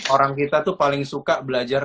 orang kita tuh paling suka belajar